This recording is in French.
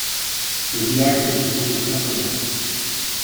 Le village ne dispose d'aucun commerce.